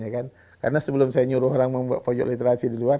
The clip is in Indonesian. karena sebelum saya nyuruh orang membuat pojok literasi di luar